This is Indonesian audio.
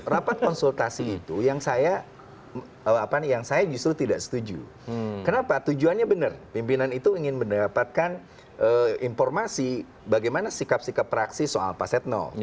rapat konsultasi itu yang saya justru tidak setuju kenapa tujuannya benar pimpinan itu ingin mendapatkan informasi bagaimana sikap sikap fraksi soal pak setno